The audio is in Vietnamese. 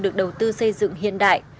được đầu tư xây dựng hiện đại